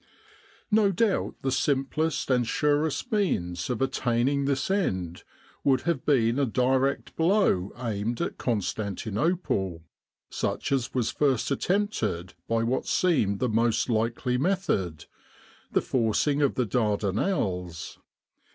No doubt the simplest and surest means of attaining this end would have been a direct blow aimed at Constanti nople, such as was at first attempted by what seemed the most likely method the forcing of the Dar danelles.